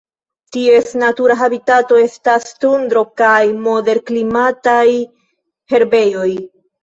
Ties natura habitato estas tundro kaj moderklimataj herbejoj.